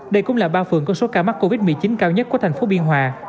đây cũng là ba phường có số ca mắc covid một mươi chín cao nhất của thành phố biên hòa